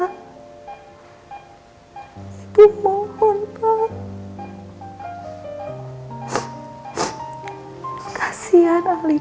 kamu harus sembuh